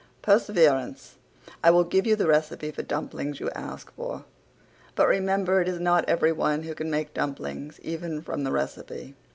PERSEVERANCE: I will give you the recipe for dumplings you ask for. But remember it is not everyone who can make dumplings, even from the recipe.